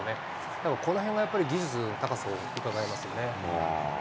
でもこのへんがやっぱり、技術の高さをうかがえますよね。